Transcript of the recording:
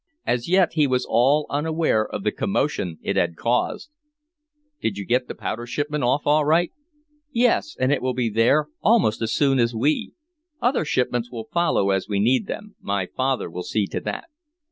As yet he was all unaware of the commotion it had caused. "Did you get the powder shipment off all right?" "Yes, and it will be there almost as soon as we. Other shipments will follow as we need them. My father will see to that."